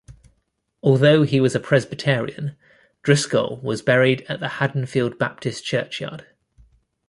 Although he was a Presbyterian, Driscoll was buried at the Haddonfield Baptist Churchyard.